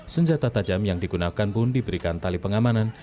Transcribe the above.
senjata tajam yang digunakan pun diberikan tali pengamanan